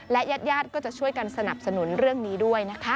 และญาติก็จะช่วยกันสนับสนุนเรื่องนี้ด้วยนะคะ